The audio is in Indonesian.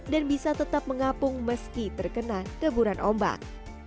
dan bisa tetap mengapung meski terkena keburan ombak